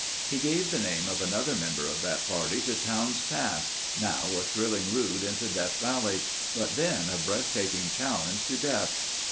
He gave the name of another member of that party to Towne's Pass, now a thrilling route into Death Valley but then a breath taking challenge to death.